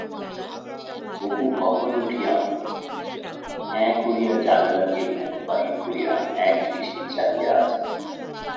অপু কখন উঠিয়া হ্যাঁ করিয়া জানোলা দিয়া মুখ বাহির করিয়া একদৃষ্টি চাহিয়া আছে।